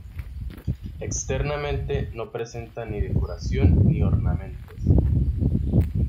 Externamente no presenta ni decoración ni ornamentos.